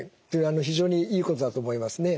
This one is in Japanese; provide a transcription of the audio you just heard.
非常にいいことだと思いますね。